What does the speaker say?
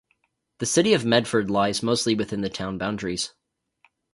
The City of Medford lies mostly within the town boundaries.